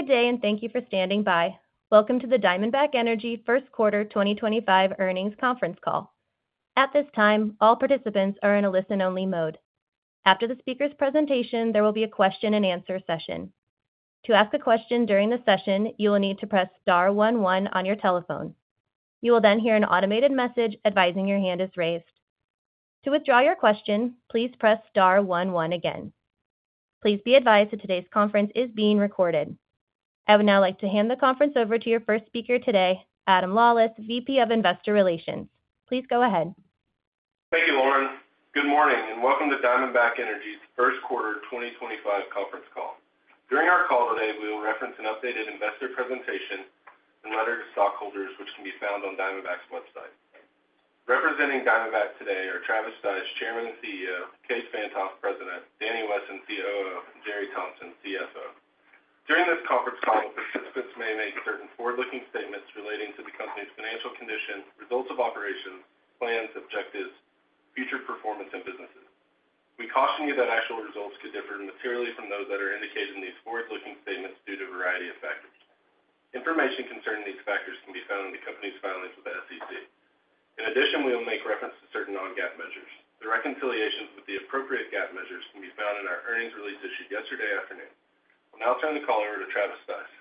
Good day, and thank you for standing by. Welcome to the Diamondback Energy First Quarter 2025 earnings conference call. At this time, all participants are in a listen-only mode. After the speaker's presentation, there will be a question-and-answer session. To ask a question during the session, you will need to press star one one on your telephone. You will then hear an automated message advising your hand is raised. To withdraw your question, please press star one one again. Please be advised that today's conference is being recorded. I would now like to hand the conference over to your first speaker today, Adam Lawlis, VP of Investor Relations. Please go ahead. Thank you, Lauren. Good morning, and welcome to Diamondback Energy's First Quarter 2025 conference call. During our call today, we will reference an updated investor presentation and letter to stockholders, which can be found on Diamondback's website. Representing Diamondback today are Travis Stice, Chairman and CEO; Kaes Van't Hof, President; Daniel Wesson, COO; and Jere Thompson, CFO. During this conference call, the participants may make certain forward-looking statements relating to the company's financial condition, results of operations, plans, objectives, future performance, and businesses. We caution you that actual results could differ materially from those that are indicated in these forward-looking statements due to a variety of factors. Information concerning these factors can be found in the company's filings with the SEC. In addition, we will make reference to certain non-GAAP measures. The reconciliations with the appropriate GAAP measures can be found in our earnings release issued yesterday afternoon. I'll now turn the call over to Travis Stice.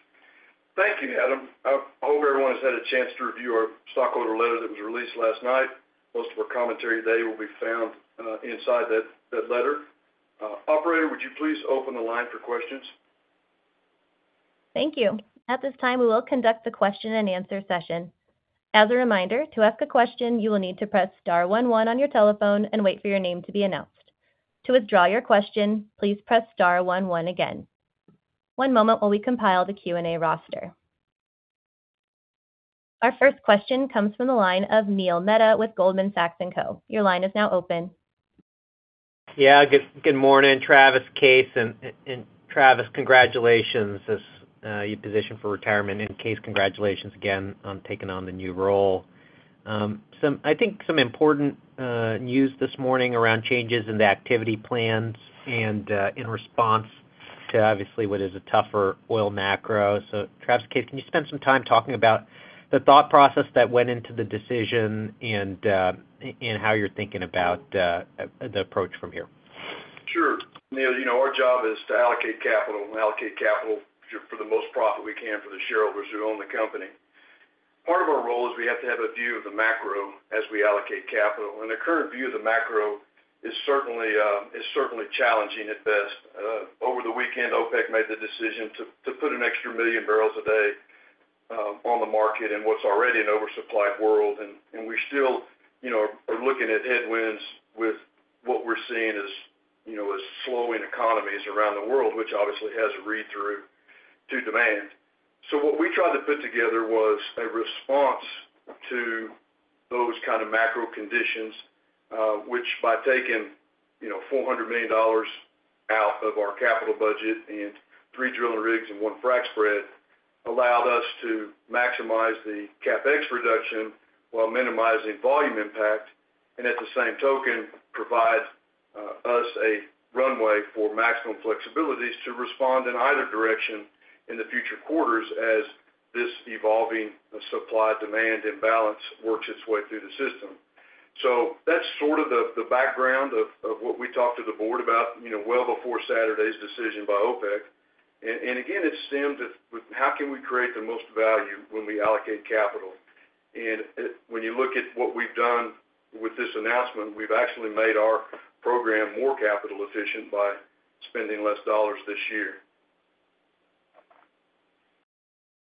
Thank you, Adam. I hope everyone has had a chance to review our stockholder letter that was released last night. Most of our commentary today will be found inside that letter. Operator, would you please open the line for questions? Thank you. At this time, we will conduct the question-and-answer session. As a reminder, to ask a question, you will need to press star one one on your telephone and wait for your name to be announced. To withdraw your question, please press star one one again. One moment while we compile the Q&A roster. Our first question comes from the line of Neil Mehta with Goldman Sachs & Co. Your line is now open. Yeah, good morning, Travis, Kaes, and Travis, congratulations on your position for retirement, and Kaes, congratulations again on taking on the new role. I think some important news this morning around changes in the activity plans and in response to, obviously, what is a tougher oil macro. Travis, Kaes, can you spend some time talking about the thought process that went into the decision and how you're thinking about the approach from here? Sure. Neil, our job is to allocate capital and allocate capital for the most profit we can for the shareholders who own the company. Part of our role is we have to have a view of the macro as we allocate capital, and the current view of the macro is certainly challenging at best. Over the weekend, OPEC made the decision to put an extra 1 million barrels a day on the market in what's already an oversupplied world, and we still are looking at headwinds with what we're seeing as slowing economies around the world, which obviously has a read-through to demand. What we tried to put together was a response to those kind of macro conditions, which by taking $400 million out of our capital budget and three drilling rigs and one frac spread allowed us to maximize the CapEx reduction while minimizing volume impact and, at the same token, provide us a runway for maximum flexibilities to respond in either direction in future quarters as this evolving supply-demand imbalance works its way through the system. That is sort of the background of what we talked to the board about well before Saturday's decision by OPEC. Again, it stemmed with how can we create the most value when we allocate capital. When you look at what we've done with this announcement, we've actually made our program more capital-efficient by spending less dollars this year.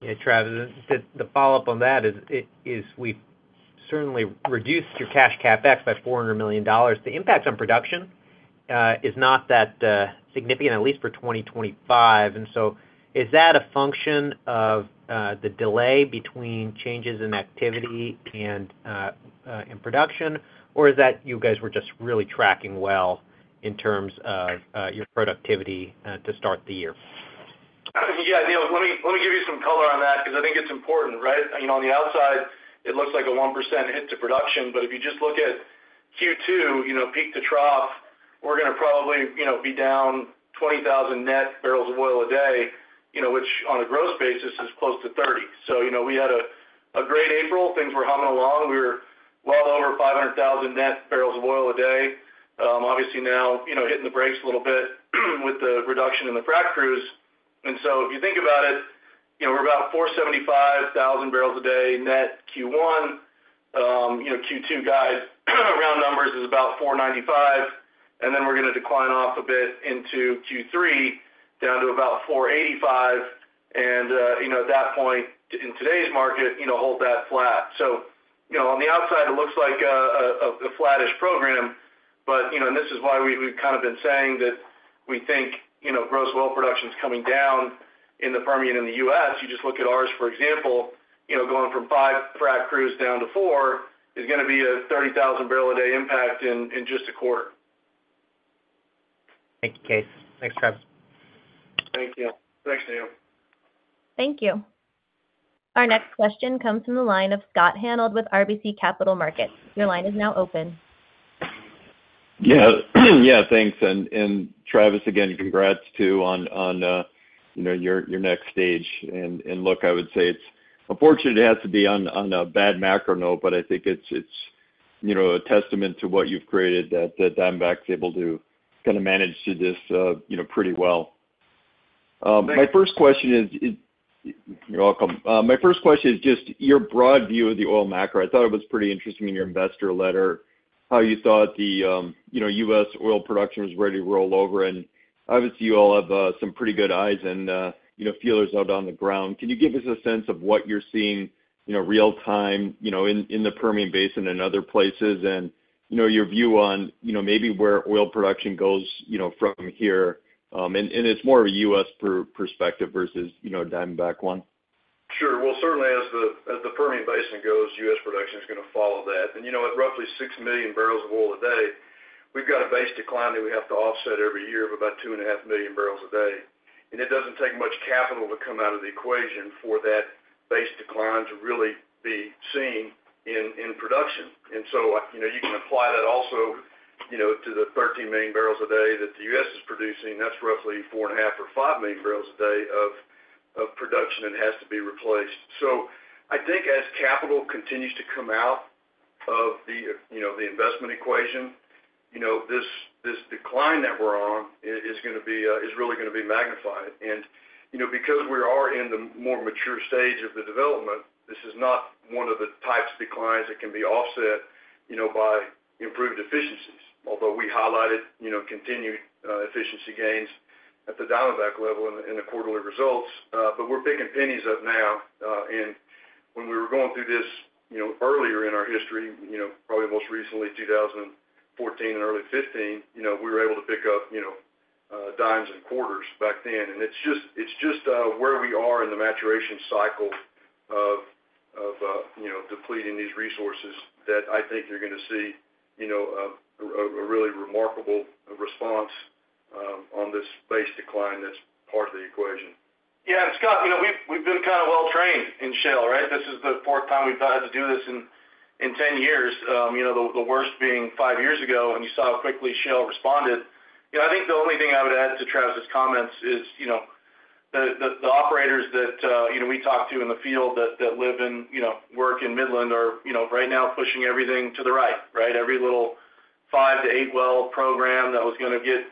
Yeah, Travis, the follow-up on that is we've certainly reduced your cash CapEx by $400 million. The impact on production is not that significant, at least for 2025. Is that a function of the delay between changes in activity and production, or is that you guys were just really tracking well in terms of your productivity to start the year? Yeah, Neil, let me give you some color on that because I think it's important, right? On the outside, it looks like a 1% hit to production, but if you just look at Q2, peak to trough, we're going to probably be down 20,000 net barrels of oil a day, which on a gross basis is close to 30. We had a great April. Things were humming along. We were well over 500,000 net barrels of oil a day. Obviously, now hitting the brakes a little bit with the reduction in the frac crews. If you think about it, we're about 475,000 barrels a day net Q1. Q2 guide round numbers is about 495, and then we're going to decline off a bit into Q3 down to about 485. At that point, in today's market, hold that flat. On the outside, it looks like a flattish program, but this is why we've kind of been saying that we think gross oil production is coming down in the Permian in the U.S. You just look at ours, for example, going from five frac crews down to four is going to be a 30,000 barrel a day impact in just a quarter. Thank you, Kaes. Thanks, Travis. Thank you. Thanks, Neil. Thank you. Our next question comes from the line of Scott Hanold with RBC Capital Markets. Your line is now open. Yeah, thanks. Travis, again, congrats too on your next stage. I would say it's unfortunate it has to be on a bad macro note, but I think it's a testament to what you've created that Diamondback's able to kind of manage through this pretty well. My first question is—you're welcome—my first question is just your broad view of the oil macro. I thought it was pretty interesting in your investor letter how you thought the U.S. oil production was ready to roll over. Obviously, you all have some pretty good eyes and feelers out on the ground. Can you give us a sense of what you're seeing real-time in the Permian Basin and other places and your view on maybe where oil production goes from here? It's more of a U.S. perspective versus a Diamondback one. Sure. Certainly, as the Permian Basin goes, U.S. production is going to follow that. At roughly 6 million barrels of oil a day, we've got a base decline that we have to offset every year of about 2.5 million barrels a day. It does not take much capital to come out of the equation for that base decline to really be seen in production. You can apply that also to the 13 million barrels a day that the U.S. is producing. That's roughly 4.5-5 million barrels a day of production that has to be replaced. I think as capital continues to come out of the investment equation, this decline that we're on is really going to be magnified. Because we are in the more mature stage of the development, this is not one of the types of declines that can be offset by improved efficiencies, although we highlighted continued efficiency gains at the Diamondback level in the quarterly results. We're picking pennies up now. When we were going through this earlier in our history, probably most recently 2014 and early 2015, we were able to pick up dimes and quarters back then. It is just where we are in the maturation cycle of depleting these resources that I think you're going to see a really remarkable response on this base decline that is part of the equation. Yeah, Scott, we've been kind of well-trained in shale, right? This is the fourth time we've had to do this in 10 years, the worst being five years ago, and you saw how quickly shale responded. I think the only thing I would add to Travis's comments is the operators that we talk to in the field that live and work in Midland are right now pushing everything to the right, right? Every little five to eight well program that was going to get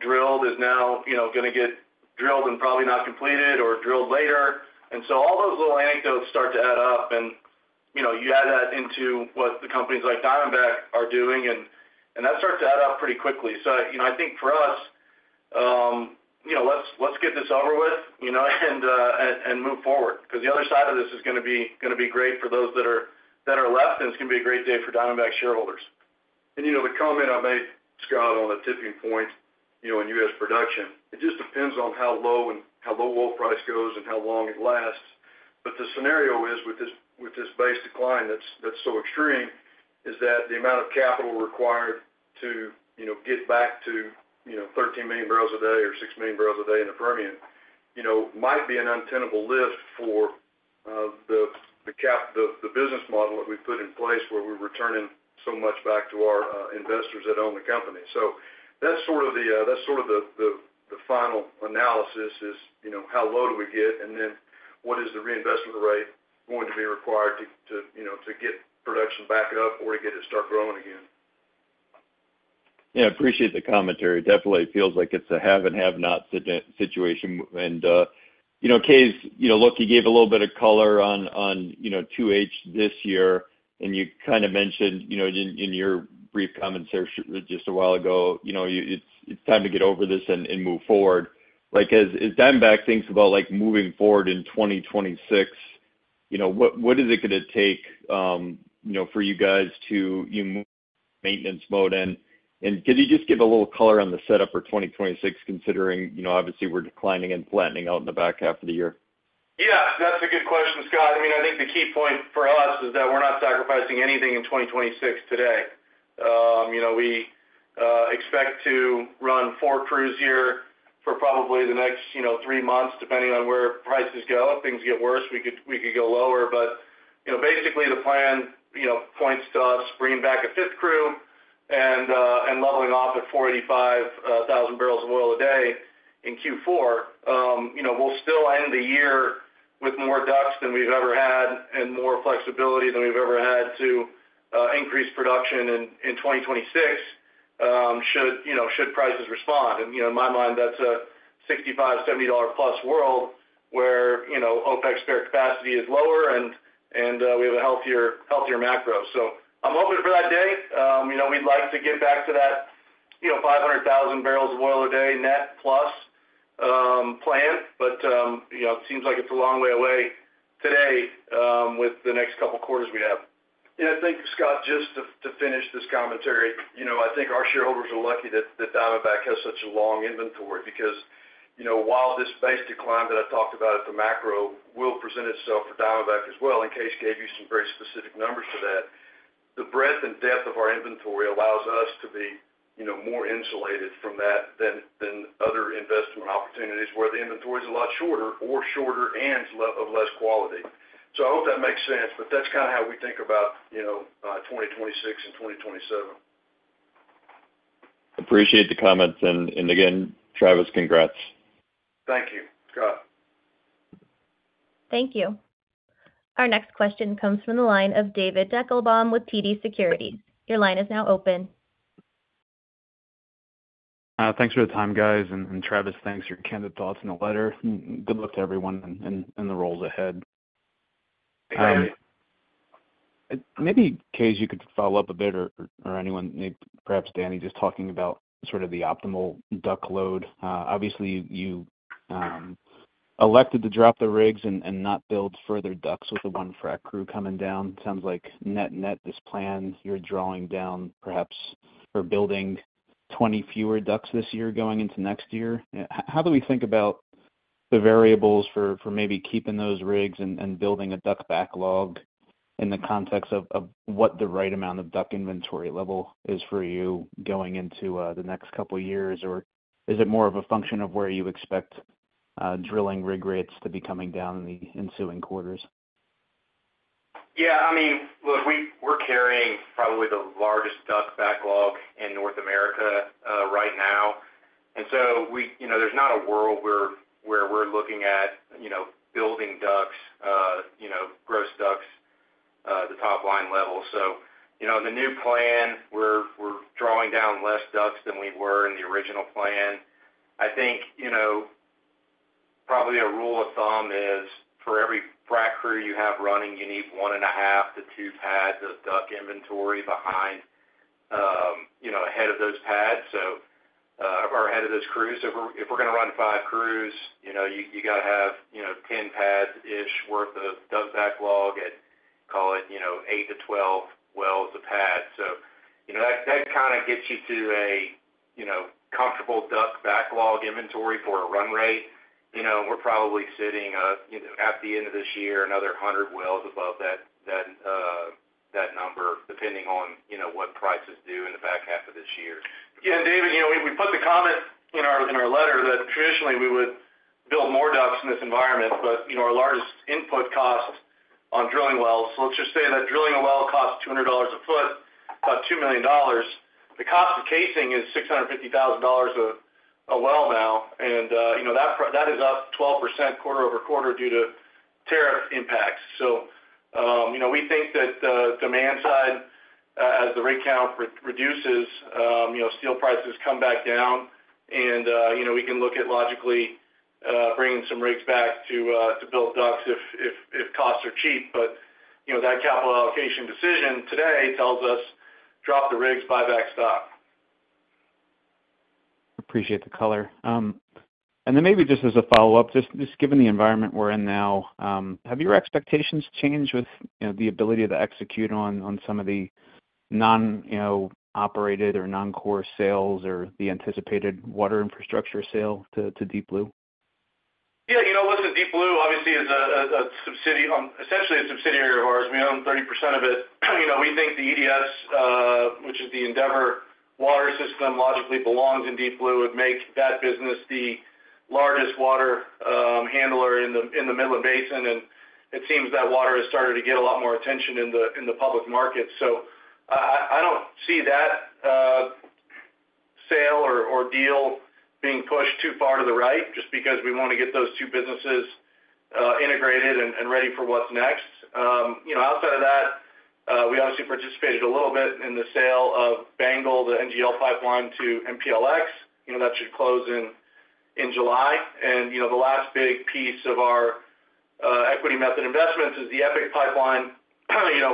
drilled is now going to get drilled and probably not completed or drilled later. All those little anecdotes start to add up, and you add that into what the companies like Diamondback are doing, and that starts to add up pretty quickly. I think for us, let's get this over with and move forward because the other side of this is going to be great for those that are left, and it's going to be a great day for Diamondback shareholders. The comment I made, Scott, on the tipping point in U.S. production, it just depends on how low oil price goes and how long it lasts. The scenario is, with this base decline that's so extreme, the amount of capital required to get back to 13 million barrels a day or 6 million barrels a day in the Permian might be an untenable lift for the business model that we've put in place where we're returning so much back to our investors that own the company. That is sort of the final analysis: how low do we get, and then what is the reinvestment rate going to be required to get production back up or to get it to start growing again? Yeah, I appreciate the commentary. Definitely feels like it's a have-and-have-not situation. Kaes, look, you gave a little bit of color on 2H this year, and you kind of mentioned in your brief comments just a while ago, it's time to get over this and move forward. As Diamondback thinks about moving forward in 2026, what is it going to take for you guys to move into maintenance mode? Could you just give a little color on the setup for 2026, considering obviously we're declining and flattening out in the back half of the year? Yeah, that's a good question, Scott. I mean, I think the key point for us is that we're not sacrificing anything in 2026 today. We expect to run four crews here for probably the next three months, depending on where prices go. If things get worse, we could go lower. Basically, the plan points to us bringing back a fifth crew and leveling off at 485,000 barrels of oil a day in Q4. We'll still end the year with more DUCs than we've ever had and more flexibility than we've ever had to increase production in 2026 should prices respond. In my mind, that's a $65 to $70+ world where OPEC's spare capacity is lower, and we have a healthier macro. I'm hoping for that day. We'd like to get back to that 500,000 barrels of oil a day net-plus plan, but it seems like it's a long way away today with the next couple of quarters we have. I think, Scott, just to finish this commentary, I think our shareholders are lucky that Diamondback has such a long inventory because while this base decline that I talked about at the macro will present itself for Diamondback as well, and Kaes gave you some very specific numbers for that, the breadth and depth of our inventory allows us to be more insulated from that than other investment opportunities where the inventory is a lot shorter or shorter and of less quality. I hope that makes sense, but that's kind of how we think about 2026 and 2027. Appreciate the comments. Again, Travis, congrats. Thank you, Scott. Thank you. Our next question comes from the line of David Deckelbaum with TD Securities. Your line is now open. Thanks for the time, guys. Travis, thanks for your candid thoughts in the letter. Good luck to everyone and the roles ahead. Thank you. Maybe, Kaes, you could follow up a bit or anyone, perhaps Danny, just talking about sort of the optimal DUC load. Obviously, you elected to drop the rigs and not build further DUCs with the one frac crew coming down. Sounds like net-net this plan, you're drawing down perhaps or building 20 fewer DUCs this year going into next year. How do we think about the variables for maybe keeping those rigs and building a DUC backlog in the context of what the right amount of DUC inventory level is for you going into the next couple of years? Is it more of a function of where you expect drilling rig rates to be coming down in the ensuing quarters? Yeah. I mean, look, we're carrying probably the largest DUC backlog in North America right now. There is not a world where we're looking at building DUCs, gross DUCs, the top line level. The new plan, we're drawing down less DUCs than we were in the original plan. I think probably a rule of thumb is for every frac crew you have running, you need one and a half to two pads of DUC inventory behind ahead of those pads or ahead of those crews. If we're going to run five crews, you got to have 10 pads-ish worth of DUC backlog at, call it, 8-12 wells a pad. That kind of gets you to a comfortable DUC backlog inventory for a run rate. We're probably sitting at the end of this year, another 100 wells above that number, depending on what prices do in the back half of this year. Yeah, and David, we put the comment in our letter that traditionally we would build more DUCs in this environment, but our largest input cost on drilling wells—so let's just say that drilling a well costs $200 a foot, about $2 million. The cost of casing is $650,000 a well now, and that is up 12% quarter over quarter due to tariff impacts. We think that the demand side, as the rig count reduces, steel prices come back down, and we can look at logically bringing some rigs back to build DUCs if costs are cheap. That capital allocation decision today tells us, "Drop the rigs, buy back stock. Appreciate the color. Maybe just as a follow-up, just given the environment we're in now, have your expectations changed with the ability to execute on some of the non-operated or non-core sales or the anticipated water infrastructure sale to Deep Blue? Yeah. Listen, Deep Blue obviously is essentially a subsidiary of ours. We own 30% of it. We think the EDS, which is the Endeavor Water System, logically belongs in Deep Blue. It would make that business the largest water handler in the Midland Basin. It seems that water has started to get a lot more attention in the public market. I do not see that sale or deal being pushed too far to the right just because we want to get those two businesses integrated and ready for what is next. Outside of that, we obviously participated a little bit in the sale of BANGL, the NGL pipeline to MPLX. That should close in July. The last big piece of our equity method investments is the EPIC pipeline,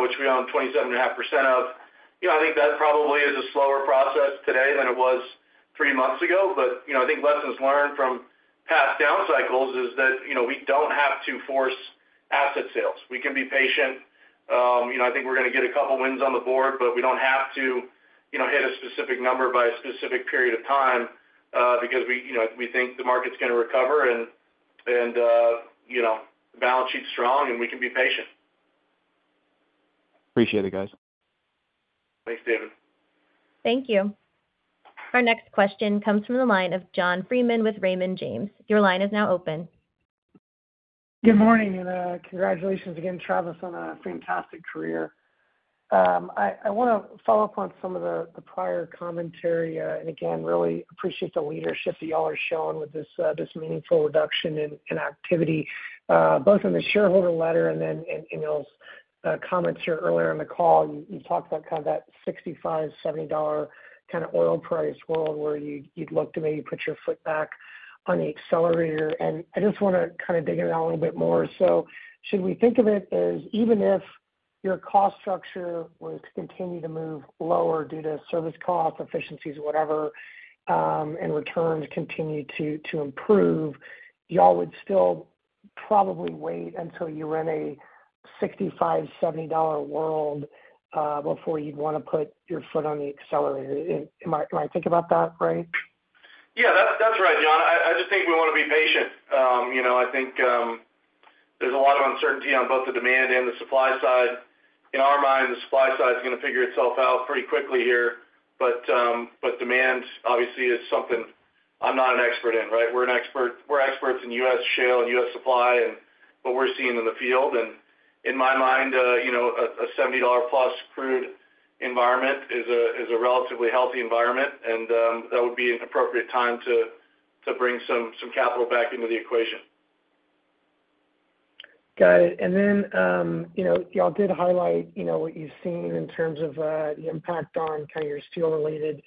which we own 27.5% of. I think that probably is a slower process today than it was three months ago. I think lessons learned from past down cycles is that we do not have to force asset sales. We can be patient. I think we are going to get a couple of wins on the board, but we do not have to hit a specific number by a specific period of time because we think the market is going to recover and the balance sheet is strong, and we can be patient. Appreciate it, guys. Thanks, David. Thank you. Our next question comes from the line of John Freeman with Raymond James. Your line is now open. Good morning and congratulations again, Travis, on a fantastic career. I want to follow up on some of the prior commentary. I really appreciate the leadership that y'all are showing with this meaningful reduction in activity, both in the shareholder letter and then in those comments here earlier on the call. You talked about kind of that $65-$70 kind of oil price world where you'd look to maybe put your foot back on the accelerator. I just want to dig in a little bit more. Should we think of it as even if your cost structure was to continue to move lower due to service costs, efficiencies, whatever, and returns continue to improve, y'all would still probably wait until you're in a $65-$70 world before you'd want to put your foot on the accelerator. Am I thinking about that right? Yeah, that's right, John. I just think we want to be patient. I think there's a lot of uncertainty on both the demand and the supply side. In our mind, the supply side is going to figure itself out pretty quickly here. Demand, obviously, is something I'm not an expert in, right? We're experts in US shale and US supply, and what we're seeing in the field. In my mind, a $70-plus crude environment is a relatively healthy environment, and that would be an appropriate time to bring some capital back into the equation. Got it. Y'all did highlight what you've seen in terms of the impact on kind of your steel-related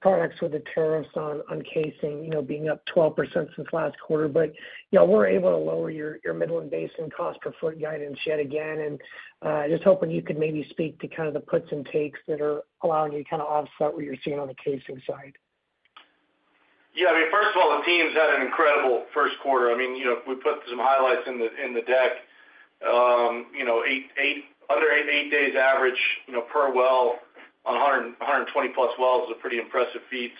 products with the tariffs on casing being up 12% since last quarter. Y'all were able to lower your Midland Basin cost per foot guidance yet again. Just hoping you could maybe speak to kind of the puts and takes that are allowing you to kind of offset what you're seeing on the casing side. Yeah. I mean, first of all, the teams had an incredible first quarter. I mean, we put some highlights in the deck. Under eight days average per well on 120-plus wells is a pretty impressive feat.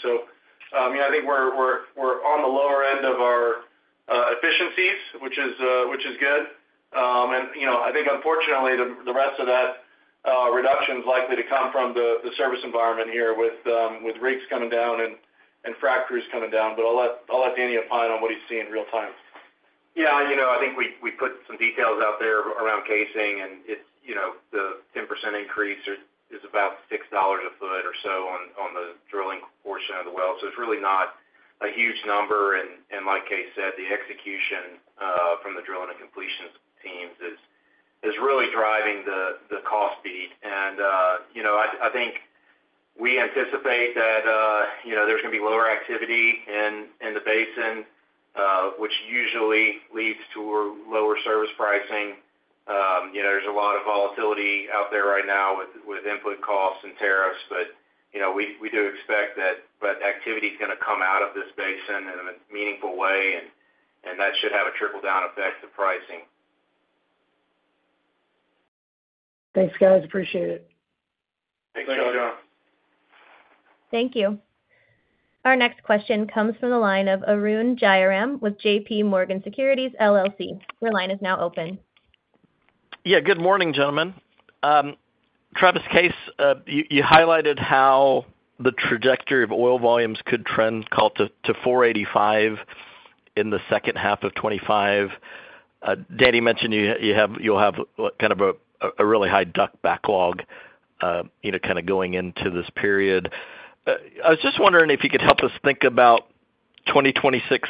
I think we're on the lower end of our efficiencies, which is good. I think, unfortunately, the rest of that reduction is likely to come from the service environment here with rigs coming down and frac crews coming down. I'll let Danny opine on what he's seeing real-time. Yeah. I think we put some details out there around casing, and the 10% increase is about $6 a foot or so on the drilling portion of the well. It is really not a huge number. Like Kaes said, the execution from the drilling and completion teams is really driving the cost beat. I think we anticipate that there's going to be lower activity in the basin, which usually leads to lower service pricing. There's a lot of volatility out there right now with input costs and tariffs, but we do expect that activity is going to come out of this basin in a meaningful way, and that should have a trickle-down effect to pricing. Thanks, guys. Appreciate it. Thanks, John. Thank you. Our next question comes from the line of Arun Jayaram with JP Morgan Securities LLC. Your line is now open. Yeah. Good morning, gentlemen. Travis, Kaes, you highlighted how the trajectory of oil volumes could trend to 485 in the second half of 2025. Danny mentioned you'll have kind of a really high DUC backlog kind of going into this period. I was just wondering if you could help us think about 2026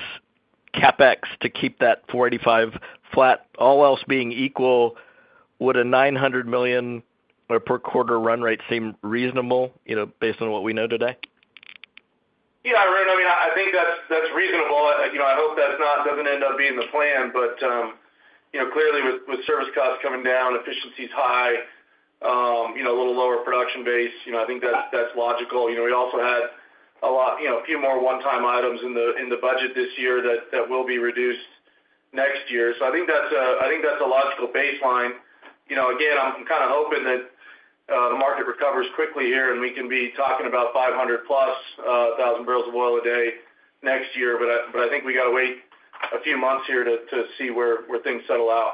CapEx to keep that 485 flat. All else being equal, would a $900 million per quarter run rate seem reasonable based on what we know today? Yeah, Arun, I mean, I think that's reasonable. I hope that doesn't end up being the plan. Clearly, with service costs coming down, efficiency's high, a little lower production base, I think that's logical. We also had a few more one-time items in the budget this year that will be reduced next year. I think that's a logical baseline. Again, I'm kind of hoping that the market recovers quickly here and we can be talking about 500-plus thousand barrels of oil a day next year. I think we got to wait a few months here to see where things settle out.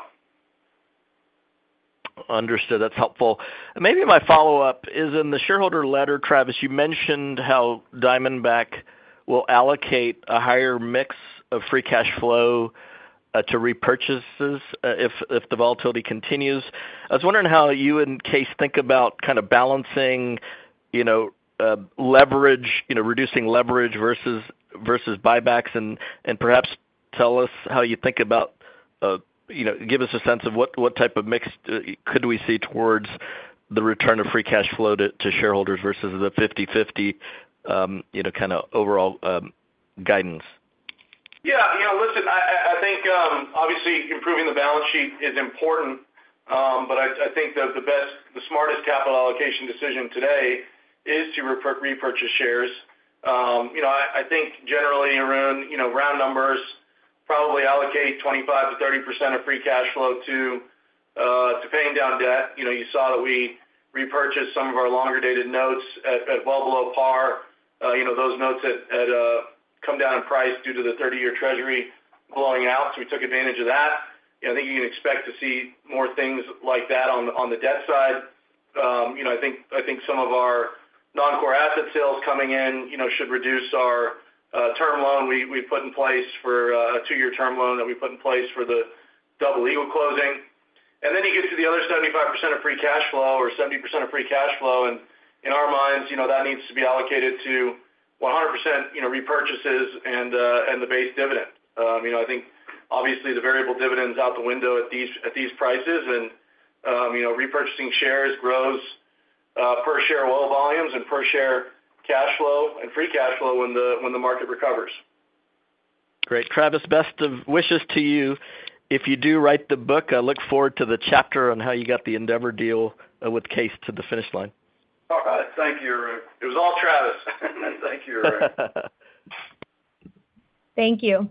Understood. That's helpful. Maybe my follow-up is in the shareholder letter, Travis, you mentioned how Diamondback will allocate a higher mix of free cash flow to repurchases if the volatility continues. I was wondering how you and Kaes think about kind of balancing leverage, reducing leverage versus buybacks, and perhaps tell us how you think about, give us a sense of what type of mix could we see towards the return of free cash flow to shareholders versus the 50/50 kind of overall guidance. Yeah. Yeah. Listen, I think obviously improving the balance sheet is important, but I think the smartest capital allocation decision today is to repurchase shares. I think generally, Arun, round numbers probably allocate 25-30% of free cash flow to paying down debt. You saw that we repurchased some of our longer-dated notes at well below par. Those notes had come down in price due to the 30-year treasury blowing out. We took advantage of that. I think you can expect to see more things like that on the debt side. I think some of our non-core asset sales coming in should reduce our term loan. We have put in place a two-year term loan that we put in place for the Double Eagle closing. You get to the other 75% of free cash flow or 70% of free cash flow. In our minds, that needs to be allocated to 100% repurchases and the base dividend. I think obviously the variable dividend's out the window at these prices, and repurchasing shares grows per share oil volumes and per share cash flow and free cash flow when the market recovers. Great. Travis, best of wishes to you. If you do write the book, I look forward to the chapter on how you got the Endeavor deal with Kaes to the finish line. All right. Thank you, Arun. It was all Travis. Thank you, Arun. Thank you.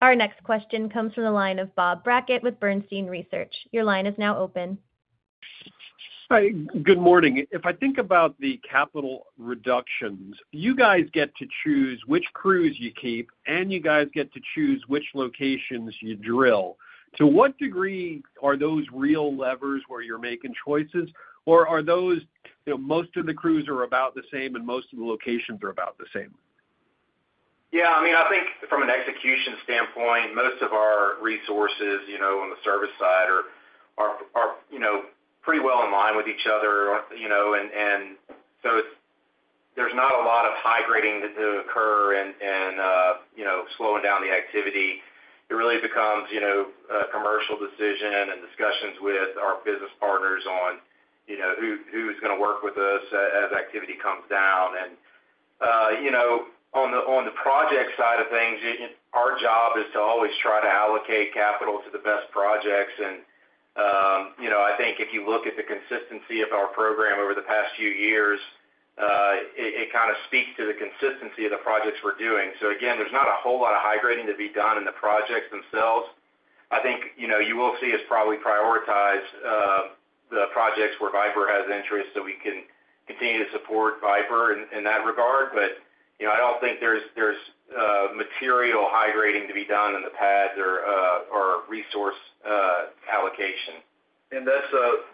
Our next question comes from the line of Bob Brackett with Bernstein Research. Your line is now open. Hi. Good morning. If I think about the capital reductions, you guys get to choose which crews you keep, and you guys get to choose which locations you drill. To what degree are those real levers where you're making choices, or are those most of the crews are about the same and most of the locations are about the same? Yeah. I mean, I think from an execution standpoint, most of our resources on the service side are pretty well in line with each other. There's not a lot of high grading to occur in slowing down the activity. It really becomes a commercial decision and discussions with our business partners on who's going to work with us as activity comes down. On the project side of things, our job is to always try to allocate capital to the best projects. I think if you look at the consistency of our program over the past few years, it kind of speaks to the consistency of the projects we're doing. There's not a whole lot of high grading to be done in the projects themselves. I think you will see us probably prioritize the projects where Viper has interest so we can continue to support Viper in that regard. I do not think there is material high grading to be done in the pads or resource allocation.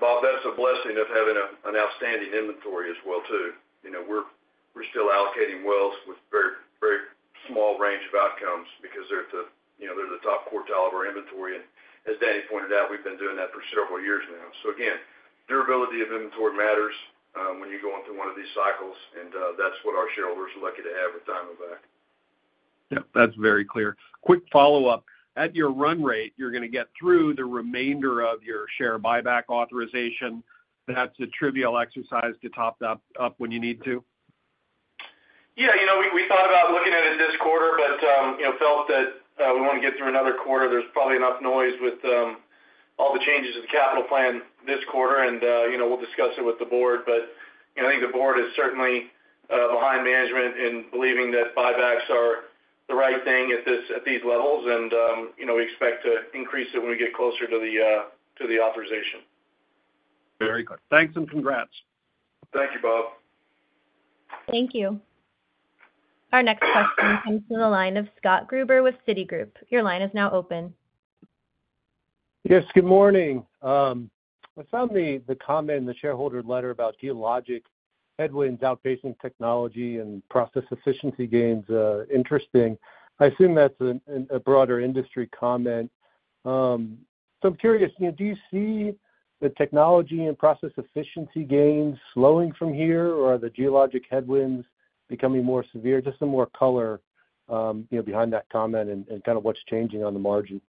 Bob, that is a blessing of having an outstanding inventory as well too. We are still allocating wells with a very small range of outcomes because they are the top quartile of our inventory. As Danny pointed out, we have been doing that for several years now. Durability of inventory matters when you go into one of these cycles, and that is what our shareholders are lucky to have with Diamondback. Yep. That's very clear. Quick follow-up. At your run rate, you're going to get through the remainder of your share buyback authorization. That's a trivial exercise to top that up when you need to. Yeah. We thought about looking at it this quarter, but felt that we want to get through another quarter. There is probably enough noise with all the changes to the capital plan this quarter, and we will discuss it with the board. I think the board is certainly behind management in believing that buybacks are the right thing at these levels, and we expect to increase it when we get closer to the authorization. Very good. Thanks and congrats. Thank you, Bob. Thank you. Our next question comes from the line of Scott Gruber with Citigroup. Your line is now open. Yes. Good morning. I found the comment in the shareholder letter about geologic headwinds outpacing technology and process efficiency gains interesting. I assume that's a broader industry comment. I am curious, do you see the technology and process efficiency gains slowing from here, or are the geologic headwinds becoming more severe? Just some more color behind that comment and kind of what's changing on the margin.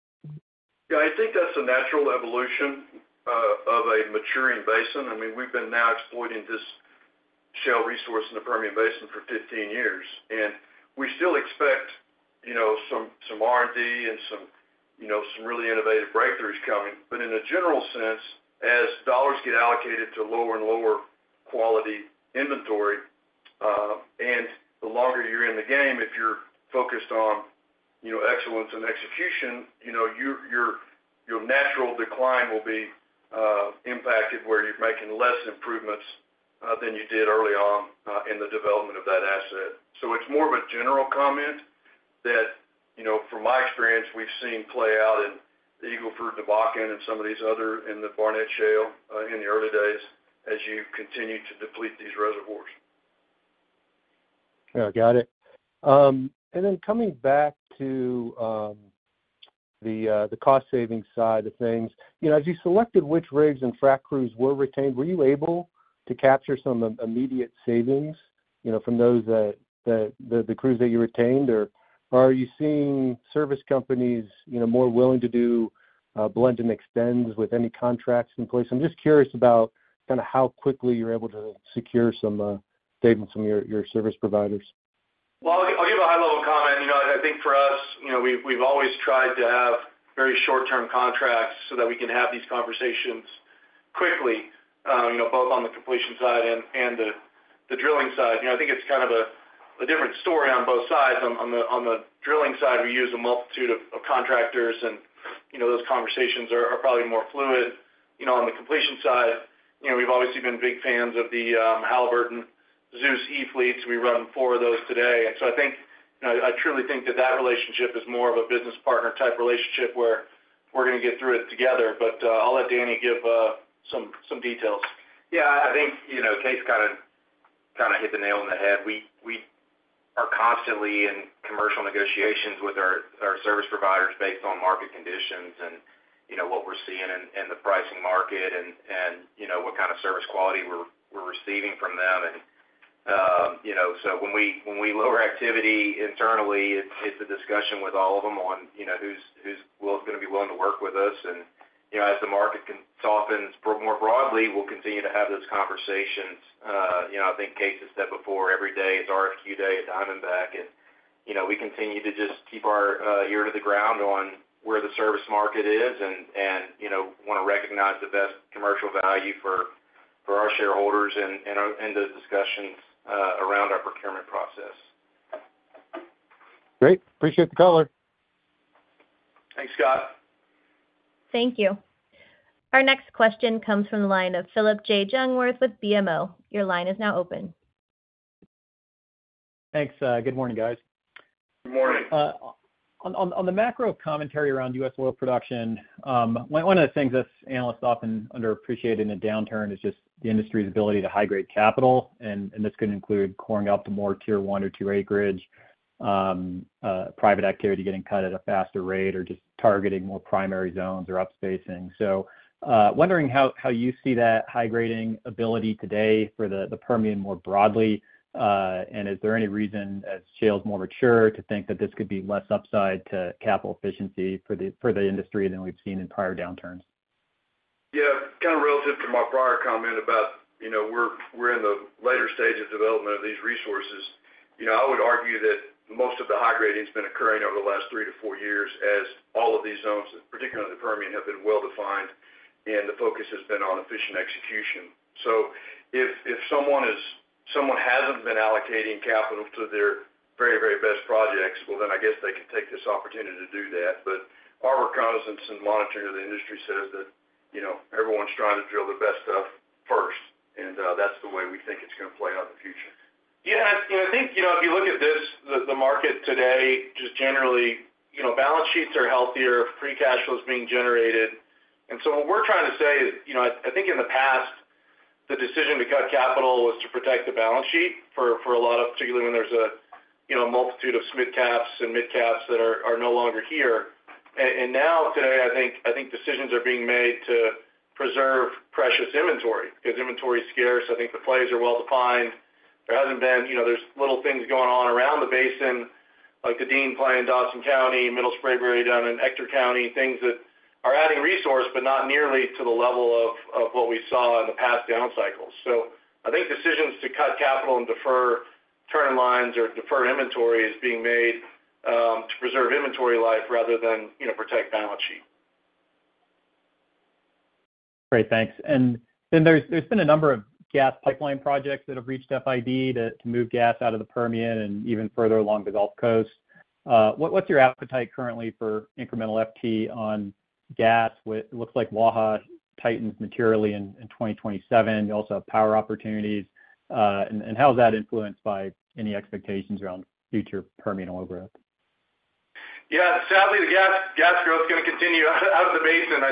Yeah. I think that's a natural evolution of a maturing basin. I mean, we've been now exploiting this shale resource in the Permian Basin for 15 years, and we still expect some R&D and some really innovative breakthroughs coming. In a general sense, as dollars get allocated to lower and lower quality inventory, and the longer you're in the game, if you're focused on excellence and execution, your natural decline will be impacted where you're making less improvements than you did early on in the development of that asset. It's more of a general comment that, from my experience, we've seen play out in the Eagle Ford, the Bakken, and some of these other in the Barnett Shale in the early days as you continue to deplete these reservoirs. Got it. Coming back to the cost-saving side of things, as you selected which rigs and frac crews were retained, were you able to capture some immediate savings from the crews that you retained, or are you seeing service companies more willing to do blend and extend with any contracts in place? I'm just curious about kind of how quickly you're able to secure some savings from your service providers. I will give a high-level comment. I think for us, we have always tried to have very short-term contracts so that we can have these conversations quickly, both on the completion side and the drilling side. I think it is kind of a different story on both sides. On the drilling side, we use a multitude of contractors, and those conversations are probably more fluid. On the completion side, we have obviously been big fans of the Halliburton Zeus E-Fleets. We run four of those today. I truly think that relationship is more of a business partner-type relationship where we are going to get through it together. I will let Danny give some details. Yeah. I think Kaes kind of hit the nail on the head. We are constantly in commercial negotiations with our service providers based on market conditions and what we're seeing in the pricing market and what kind of service quality we're receiving from them. When we lower activity internally, it's a discussion with all of them on who's going to be willing to work with us. As the market softens more broadly, we'll continue to have those conversations. I think Kaes has said before, every day is RFQ day at Diamondback. We continue to just keep our ear to the ground on where the service market is and want to recognize the best commercial value for our shareholders and those discussions around our procurement process. Great. Appreciate the color. Thanks, Scott. Thank you. Our next question comes from the line of Philip J. Jungwirth with BMO. Your line is now open. Thanks. Good morning, guys. Good morning. On the macro commentary around US oil production, one of the things that analysts often underappreciate in a downturn is just the industry's ability to high-grade capital. This could include coring up to more tier one or tier eight grids, private activity getting cut at a faster rate, or just targeting more primary zones or upspacing. I am wondering how you see that high-grading ability today for the Permian more broadly, and is there any reason, as shales more mature, to think that this could be less upside to capital efficiency for the industry than we've seen in prior downturns? Yeah. Kind of relative to my prior comment about we're in the later stage of development of these resources, I would argue that most of the high-grading has been occurring over the last three to four years as all of these zones, particularly the Permian, have been well-defined, and the focus has been on efficient execution. If someone hasn't been allocating capital to their very, very best projects, I guess they can take this opportunity to do that. Our recognizance and monitoring of the industry says that everyone's trying to drill the best stuff first, and that's the way we think it's going to play out in the future. Yeah. I think if you look at this, the market today, just generally, balance sheets are healthier, free cash flow is being generated. What we're trying to say is I think in the past, the decision to cut capital was to protect the balance sheet for a lot of, particularly when there's a multitude of smid caps and mid caps that are no longer here. Now today, I think decisions are being made to preserve precious inventory because inventory is scarce. I think the plays are well-defined. There hasn't been, there's little things going on around the basin, like the Dean play in Dawson County, Middle Spraberry down in Ector County, things that are adding resource but not nearly to the level of what we saw in the past down cycles. I think decisions to cut capital and defer turn lines or defer inventory is being made to preserve inventory life rather than protect balance sheet. Great. Thanks. There has been a number of gas pipeline projects that have reached FID to move gas out of the Permian and even further along the Gulf Coast. What's your appetite currently for incremental FT on gas? It looks like Waha tightens materially in 2027. You also have power opportunities. How is that influenced by any expectations around future Permian oil growth? Yeah. Sadly, the gas growth is going to continue out of the basin in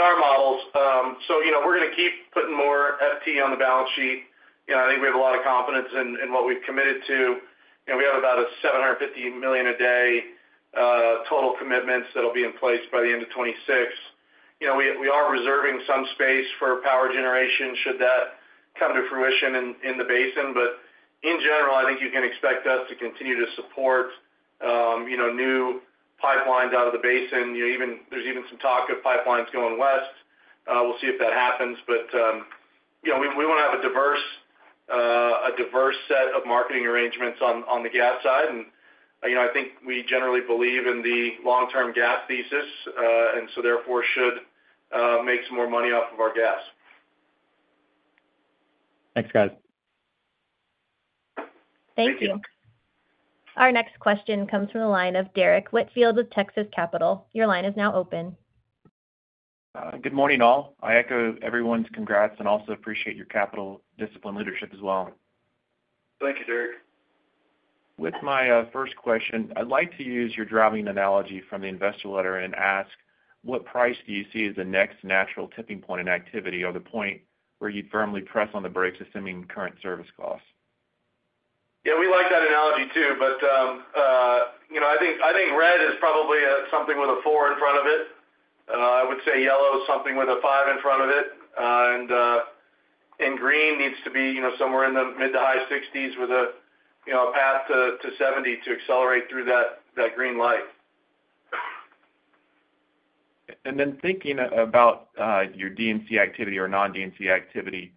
our models. We're going to keep putting more FT on the balance sheet. I think we have a lot of confidence in what we've committed to. We have about a 750 million a day total commitments that'll be in place by the end of 2026. We are reserving some space for power generation should that come to fruition in the basin. In general, I think you can expect us to continue to support new pipelines out of the basin. There's even some talk of pipelines going west. We'll see if that happens. We want to have a diverse set of marketing arrangements on the gas side. I think we generally believe in the long-term gas thesis, and therefore should make some more money off of our gas. Thanks, guys. Thank you. Our next question comes from the line of Derek Whitfield with Texas Capital. Your line is now open. Good morning, all. I echo everyone's congrats and also appreciate your capital discipline leadership as well. Thank you, Derek. With my first question, I'd like to use your driving analogy from the investor letter and ask, what price do you see as the next natural tipping point in activity or the point where you'd firmly press on the brakes, assuming current service costs? Yeah. We like that analogy too. I think red is probably something with a four in front of it. I would say yellow is something with a five in front of it. Green needs to be somewhere in the mid to high 60s with a path to 70 to accelerate through that green light. Thinking about your DNC activity or non-DNC activity,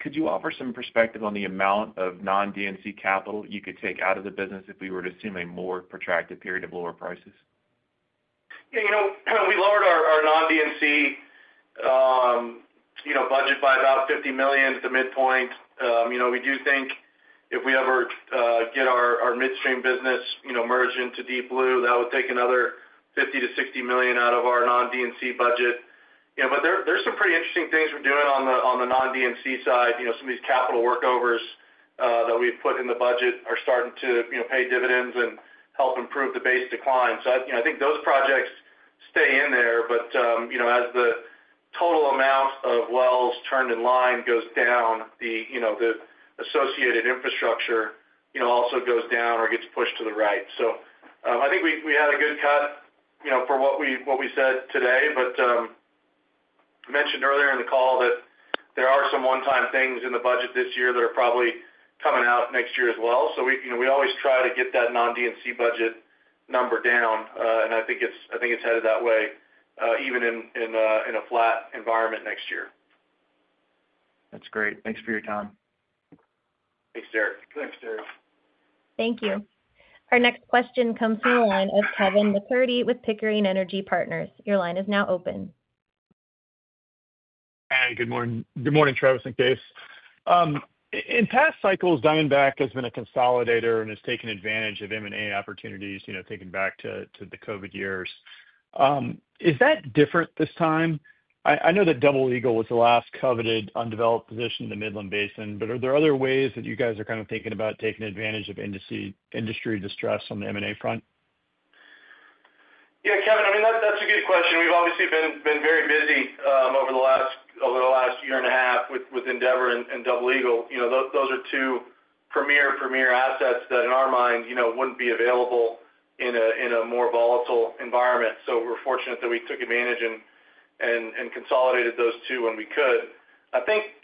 could you offer some perspective on the amount of non-DNC capital you could take out of the business if we were to assume a more protracted period of lower prices? Yeah. We lowered our non-DNC budget by about $50 million to midpoint. We do think if we ever get our midstream business merged into Deep Blue, that would take another $50-$60 million out of our non-DNC budget. There are some pretty interesting things we're doing on the non-DNC side. Some of these capital workovers that we've put in the budget are starting to pay dividends and help improve the base decline. I think those projects stay in there. As the total amount of wells turned in line goes down, the associated infrastructure also goes down or gets pushed to the right. I think we had a good cut for what we said today. I mentioned earlier in the call that there are some one-time things in the budget this year that are probably coming out next year as well. We always try to get that non-DNC budget number down. I think it's headed that way even in a flat environment next year. That's great. Thanks for your time. Thanks, Derek. Thanks, Derek. Thank you. Our next question comes from the line of Kevin MacCurdy with Pickering Energy Partners. Your line is now open. Hi. Good morning. Good morning, Travis and Kaes. In past cycles, Diamondback has been a consolidator and has taken advantage of M&A opportunities thinking back to the COVID years. Is that different this time? I know that Double Eagle was the last coveted undeveloped position in the Midland Basin, but are there other ways that you guys are kind of thinking about taking advantage of industry distress on the M&A front? Yeah. Kevin, I mean, that's a good question. We've obviously been very busy over the last year and a half with Endeavor and Double Eagle. Those are two premier, premier assets that in our mind wouldn't be available in a more volatile environment. We are fortunate that we took advantage and consolidated those two when we could. I think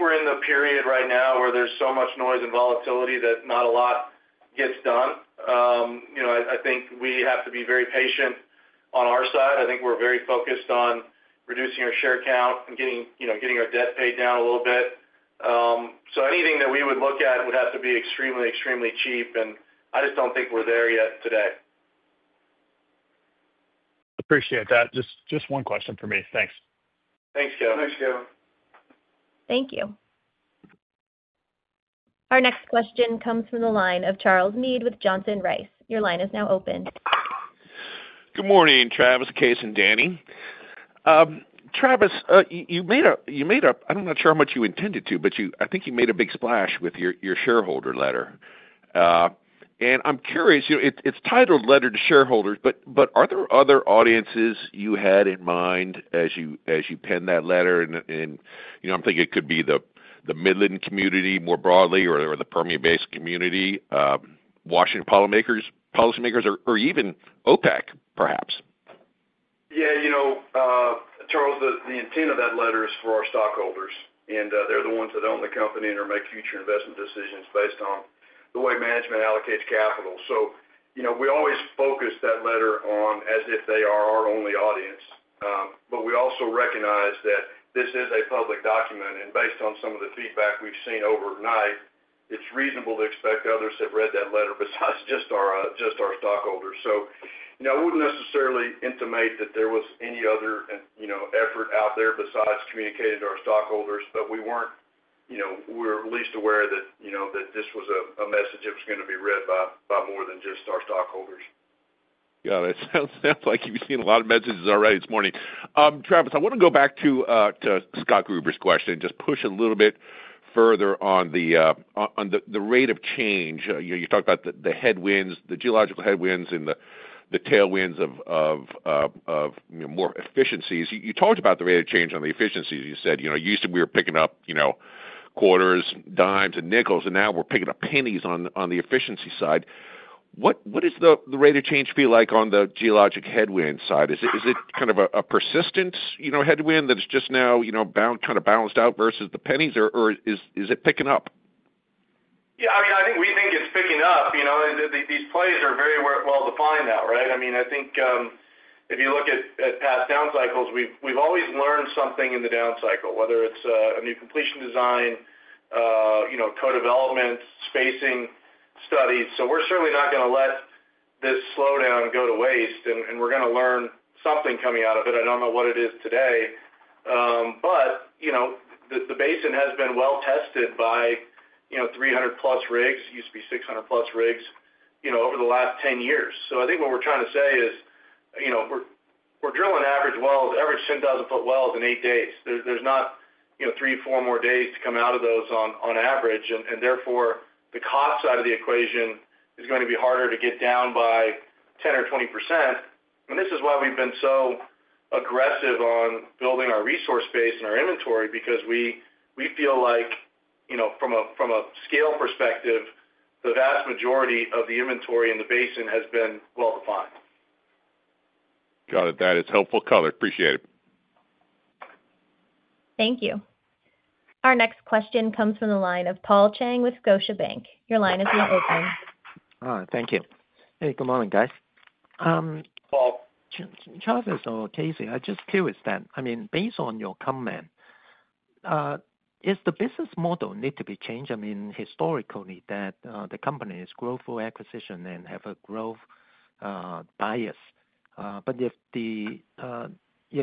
we're in the period right now where there's so much noise and volatility that not a lot gets done. I think we have to be very patient on our side. I think we're very focused on reducing our share count and getting our debt paid down a little bit. Anything that we would look at would have to be extremely, extremely cheap. I just don't think we're there yet today. Appreciate that. Just one question for me. Thanks. Thanks, Kevin. Thank you. Our next question comes from the line of Charles Meade with Johnson Rice. Your line is now open. Good morning, Travis, Kaes, and Danny. Travis, you made a—I am not sure how much you intended to, but I think you made a big splash with your shareholder letter. I am curious, it is titled "Letter to Shareholders," but are there other audiences you had in mind as you penned that letter? I am thinking it could be the Midland community more broadly or the Permian-based community, Washington policymakers, or even OPEC, perhaps. Yeah. Charles, the intent of that letter is for our stockholders. They are the ones that own the company and are making future investment decisions based on the way management allocates capital. We always focus that letter on as if they are our only audience. We also recognize that this is a public document. Based on some of the feedback we have seen overnight, it is reasonable to expect others have read that letter besides just our stockholders. I would not necessarily intimate that there was any other effort out there besides communicating to our stockholders. We were at least aware that this was a message that was going to be read by more than just our stockholders. Got it. Sounds like you've seen a lot of messages already this morning. Travis, I want to go back to Scott Gruber's question and just push a little bit further on the rate of change. You talked about the headwinds, the geological headwinds, and the tailwinds of more efficiencies. You talked about the rate of change on the efficiencies. You said used to be we were picking up quarters, dimes, and nickels, and now we're picking up pennies on the efficiency side. What does the rate of change feel like on the geologic headwind side? Is it kind of a persistent headwind that's just now kind of balanced out versus the pennies, or is it picking up? Yeah. I mean, I think we think it's picking up. These plays are very well-defined now, right? I mean, I think if you look at past down cycles, we've always learned something in the down cycle, whether it's a new completion design, co-development, spacing studies. We're certainly not going to let this slowdown go to waste. We're going to learn something coming out of it. I don't know what it is today. The basin has been well tested by 300+ rigs; it used to be 600+ rigs over the last 10 years. I think what we're trying to say is we're drilling average wells, average 10,000-foot wells in eight days. There's not three, four more days to come out of those on average. Therefore, the cost side of the equation is going to be harder to get down by 10% or 20%. We have been so aggressive on building our resource base and our inventory because we feel like from a scale perspective, the vast majority of the inventory in the basin has been well-defined. Got it. That is helpful color. Appreciate it. Thank you. Our next question comes from the line of Paul Cheng with Scotiabank. Your line is now open. Thank you. Hey, good morning, guys. Paul. Travis or Kaes, I just curious, then. I mean, based on your comment, is the business model need to be changed? I mean, historically, that the company is growth for acquisition and have a growth bias. But if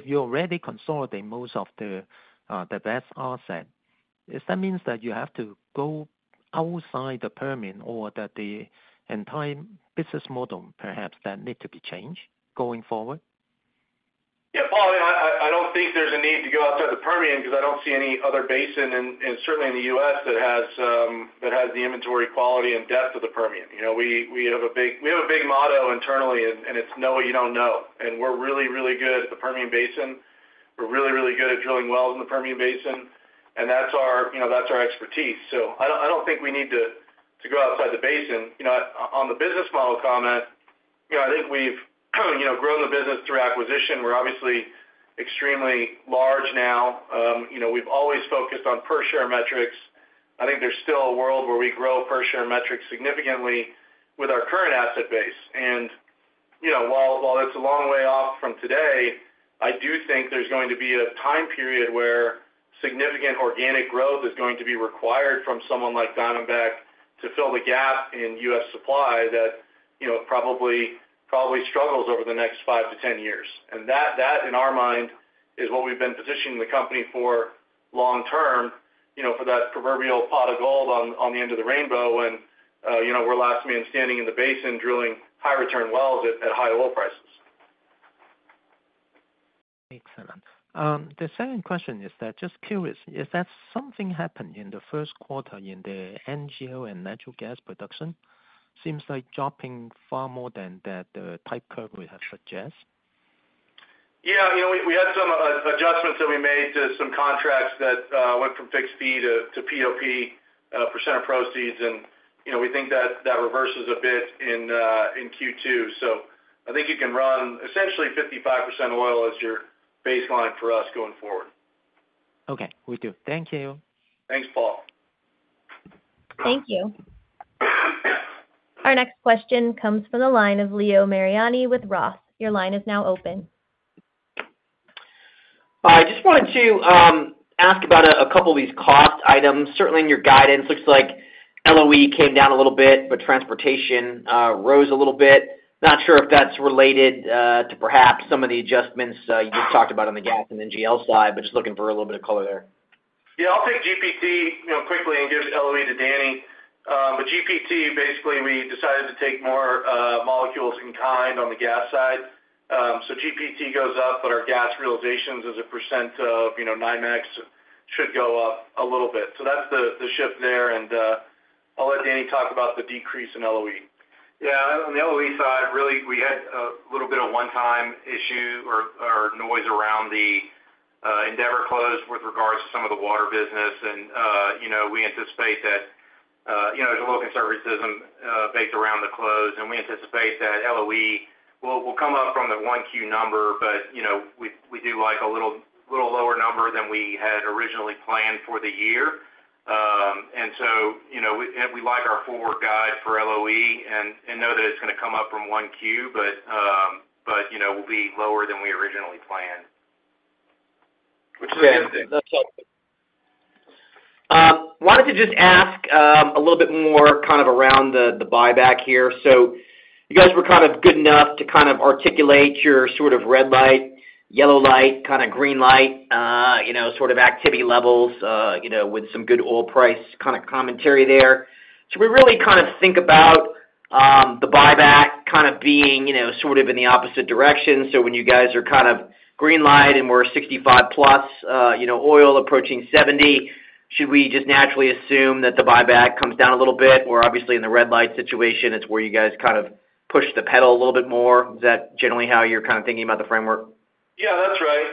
you already consolidate most of the vast asset, does that mean that you have to go outside the Permian or that the entire business model perhaps that need to be changed going forward? Yeah. Paul, I do not think there is a need to go outside the Permian because I do not see any other basin, and certainly in the U.S., that has the inventory quality and depth of the Permian. We have a big motto internally, and it is know what you do not know. We are really, really good at the Permian Basin. We are really, really good at drilling wells in the Permian Basin. That is our expertise. I do not think we need to go outside the basin. On the business model comment, I think we have grown the business through acquisition. We are obviously extremely large now. We have always focused on per-share metrics. I think there is still a world where we grow per-share metrics significantly with our current asset base. While that's a long way off from today, I do think there's going to be a time period where significant organic growth is going to be required from someone like Diamondback to fill the gap in U.S. supply that probably struggles over the next 5-10 years. That, in our mind, is what we've been positioning the company for long-term, for that proverbial pot of gold on the end of the rainbow when we're last man standing in the basin drilling high-return wells at high oil prices. Excellent. The second question is that just curious, is that something happened in the first quarter in the NGL and natural gas production? Seems like dropping far more than the type curve would have suggested. Yeah. We had some adjustments that we made to some contracts that went from fixed fee to POP percent of proceeds. We think that that reverses a bit in Q2. I think you can run essentially 55% oil as your baseline for us going forward. Okay. We do. Thank you. Thanks, Paul. Thank you. Our next question comes from the line of Leo Mariani with Roth. Your line is now open. I just wanted to ask about a couple of these cost items. Certainly, in your guidance, looks like LOE came down a little bit, but transportation rose a little bit. Not sure if that's related to perhaps some of the adjustments you just talked about on the gas and NGL side, but just looking for a little bit of color there. Yeah. I'll take GPT quickly and give LOE to Danny. GPT, basically, we decided to take more molecules in kind on the gas side. GPT goes up, but our gas realizations as a percent of NYMEX should go up a little bit. That's the shift there. I'll let Danny talk about the decrease in LOE. Yeah. On the LOE side, really, we had a little bit of a one-time issue or noise around the Endeavor close with regards to some of the water business. We anticipate that there's a little conservatism baked around the close. We anticipate that LOE will come up from the Q1 number, but we do like a little lower number than we had originally planned for the year. We like our forward guide for LOE and know that it's going to come up from Q1, but we'll be lower than we originally planned. That's helpful. Wanted to just ask a little bit more kind of around the buyback here. You guys were kind of good enough to kind of articulate your sort of red light, yellow light, kind of green light sort of activity levels with some good oil price kind of commentary there. Should we really kind of think about the buyback kind of being sort of in the opposite direction? When you guys are kind of green light and we're $65-plus oil approaching $70, should we just naturally assume that the buyback comes down a little bit? Obviously, in the red light situation, it's where you guys kind of push the pedal a little bit more. Is that generally how you're kind of thinking about the framework? Yeah. That's right.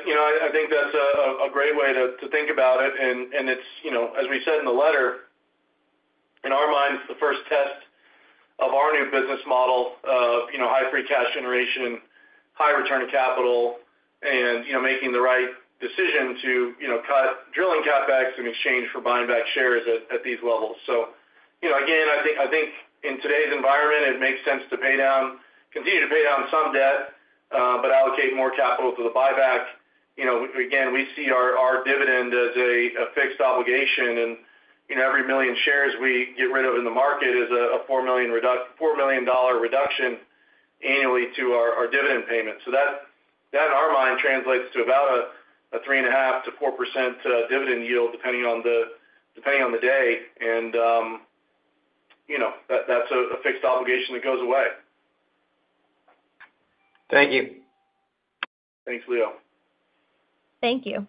I think that's a great way to think about it. As we said in the letter, in our minds, the first test of our new business model of high free cash generation, high return to capital, and making the right decision to cut drilling CapEx in exchange for buying back shares at these levels. I think in today's environment, it makes sense to continue to pay down some debt but allocate more capital to the buyback. We see our dividend as a fixed obligation. Every million shares we get rid of in the market is a $4 million reduction annually to our dividend payment. That, in our mind, translates to about a 3.5% to 4% dividend yield depending on the day. That's a fixed obligation that goes away. Thank you. Thanks, Leo. Thank you.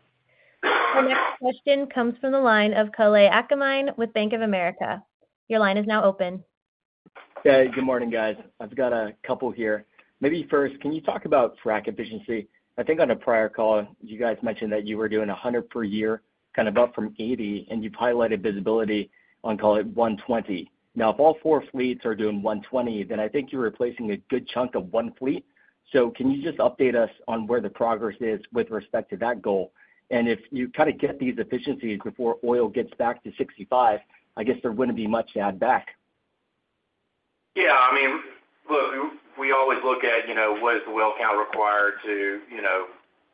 Our next question comes from the line of Kalei Akamai with Bank of America. Your line is now open. Hey. Good morning, guys. I've got a couple here. Maybe first, can you talk about frac efficiency? I think on a prior call, you guys mentioned that you were doing 100 per year, kind of up from 80, and you've highlighted visibility on, call it, 120. Now, if all four fleets are doing 120, then I think you're replacing a good chunk of one fleet. Can you just update us on where the progress is with respect to that goal? If you kind of get these efficiencies before oil gets back to $65, I guess there wouldn't be much to add back. Yeah. I mean, look, we always look at what is the oil count required to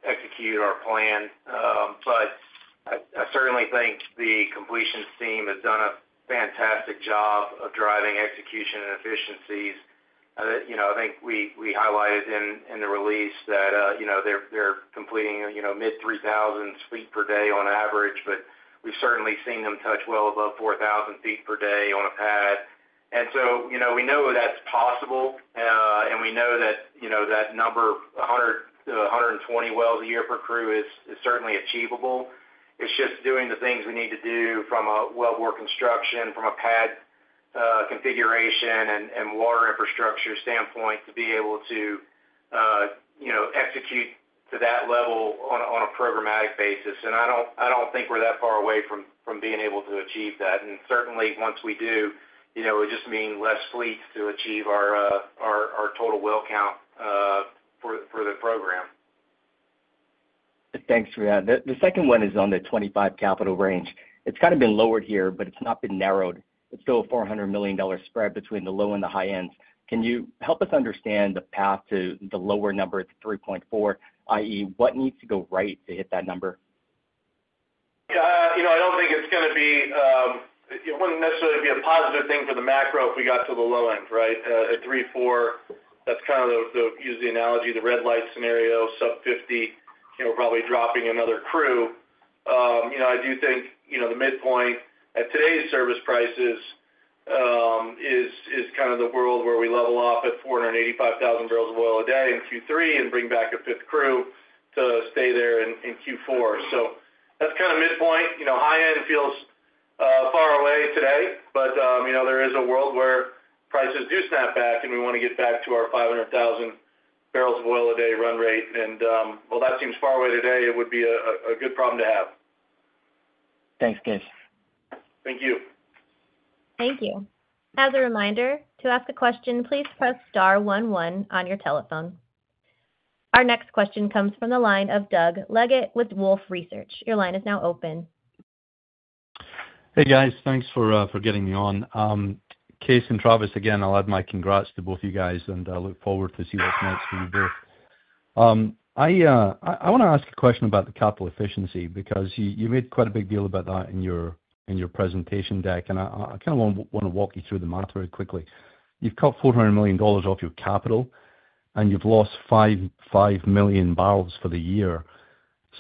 execute our plan. I certainly think the completion team has done a fantastic job of driving execution and efficiencies. I think we highlighted in the release that they're completing mid-3,000 feet per day on average, but we've certainly seen them touch well above 4,000 feet per day on a pad. We know that's possible. We know that number, 100-120 wells a year per crew, is certainly achievable. It's just doing the things we need to do from a wellbore construction, from a pad configuration, and water infrastructure standpoint to be able to execute to that level on a programmatic basis. I don't think we're that far away from being able to achieve that. Certainly, once we do, it would just mean fewer fleets to achieve our total well count for the program. Thanks for that. The second one is on the 25 capital range. It's kind of been lowered here, but it's not been narrowed. It's still a $400 million spread between the low and the high ends. Can you help us understand the path to the lower number at 3.4, i.e., what needs to go right to hit that number? Yeah. I don't think it's going to be it wouldn't necessarily be a positive thing for the macro if we got to the low end, right? At 3.4, that's kind of the use of the analogy, the red light scenario, sub-50, probably dropping another crew. I do think the midpoint at today's service prices is kind of the world where we level off at 485,000 barrels of oil a day in Q3 and bring back a fifth crew to stay there in Q4. That's kind of midpoint. High end feels far away today, but there is a world where prices do snap back, and we want to get back to our 500,000 barrels of oil a day run rate. While that seems far away today, it would be a good problem to have. Thanks, Kaes. Thank you. Thank you. As a reminder, to ask a question, please press star one one on your telephone. Our next question comes from the line of Doug Leggett with Wolfe Research. Your line is now open. Hey, guys. Thanks for getting me on. Kaes and Travis, again, I'll add my congrats to both of you guys, and I look forward to seeing what's next for you both. I want to ask a question about the capital efficiency because you made quite a big deal about that in your presentation deck. I kind of want to walk you through the matter quickly. You've cut $400 million off your capital, and you've lost 5 million barrels for the year.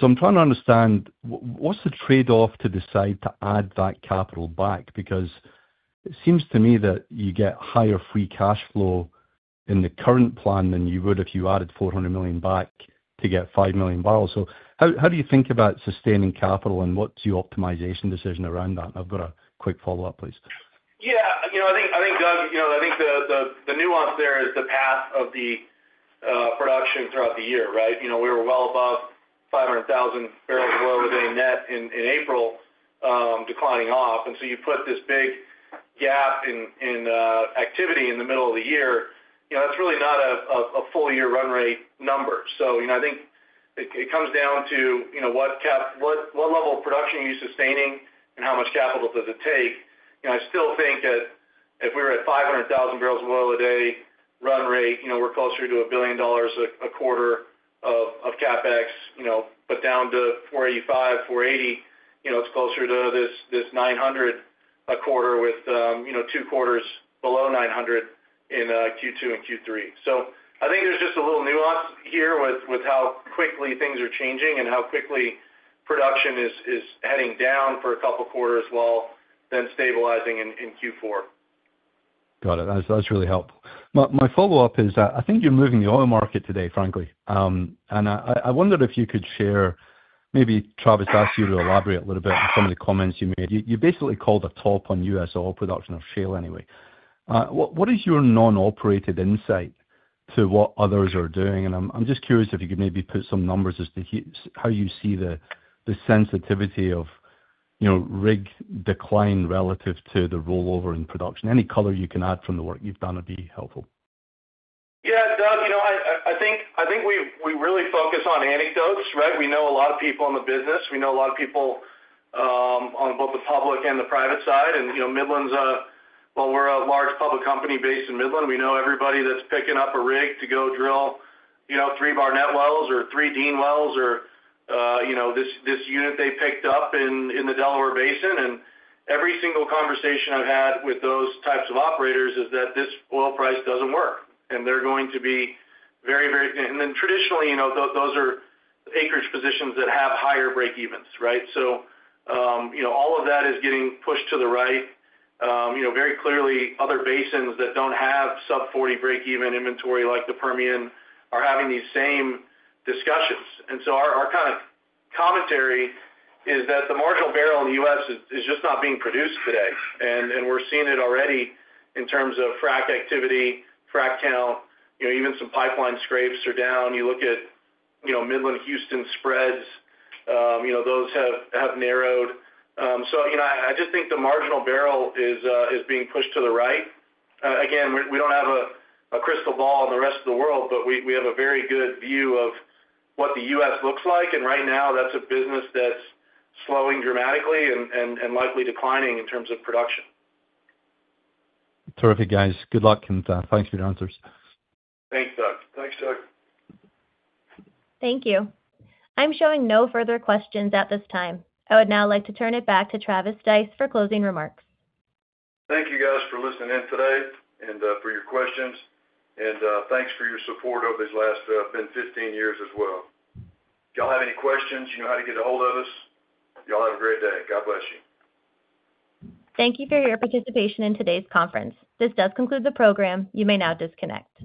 I'm trying to understand what's the trade-off to decide to add that capital back? It seems to me that you get higher free cash flow in the current plan than you would if you added $400 million back to get 5 million barrels. How do you think about sustaining capital, and what's your optimization decision around that? I've got a quick follow-up, please. Yeah. I think, Doug, I think the nuance there is the path of the production throughout the year, right? We were well above 500,000 barrels of oil a day net in April, declining off. You put this big gap in activity in the middle of the year. That's really not a full-year run rate number. I think it comes down to what level of production are you sustaining and how much capital does it take? I still think that if we were at 500,000 barrels of oil a day run rate, we're closer to a billion dollars a quarter of CapEx. Down to 485, 480, it's closer to this 900 a quarter with two quarters below 900 in Q2 and Q3. I think there's just a little nuance here with how quickly things are changing and how quickly production is heading down for a couple of quarters while then stabilizing in Q4. Got it. That's really helpful. My follow-up is that I think you're moving the oil market today, frankly. I wondered if you could share maybe Travis asked you to elaborate a little bit on some of the comments you made. You basically called a top on US oil production of shale anyway. What is your non-operated insight to what others are doing? I'm just curious if you could maybe put some numbers as to how you see the sensitivity of rig decline relative to the rollover in production. Any color you can add from the work you've done would be helpful. Yeah. Doug, I think we really focus on anecdotes, right? We know a lot of people in the business. We know a lot of people on both the public and the private side. And Midland's, while we're a large public company based in Midland, we know everybody that's picking up a rig to go drill three Barnett wells or three Dean wells or this unit they picked up in the Delaware Basin. Every single conversation I've had with those types of operators is that this oil price doesn't work, and they're going to be very, very—and then traditionally, those are acreage positions that have higher breakevens, right? All of that is getting pushed to the right. Very clearly, other basins that don't have sub-$40 breakeven inventory like the Permian are having these same discussions. Our kind of commentary is that the marginal barrel in the U.S. is just not being produced today. We're seeing it already in terms of frac activity, frac count. Even some pipeline scrapes are down. You look at Midland-Houston spreads. Those have narrowed. I just think the marginal barrel is being pushed to the right. Again, we do not have a crystal ball on the rest of the world, but we have a very good view of what the U.S. looks like. Right now, that's a business that's slowing dramatically and likely declining in terms of production. Terrific, guys. Good luck, and thanks for your answers. Thanks, Doug. Thank you. I'm showing no further questions at this time. I would now like to turn it back to Travis Stice for closing remarks. Thank you, guys, for listening in today and for your questions. Thank you for your support over these last 10, 15 years as well. If y'all have any questions, you know how to get a hold of us. Y'all have a great day. God bless you. Thank you for your participation in today's conference. This does conclude the program. You may now disconnect.